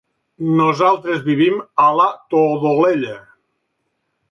Nosaltres vivim a la Todolella.